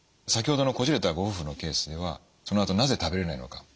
先ほどのこじれたご夫婦のケースではそのあと「なぜ食べれないのか」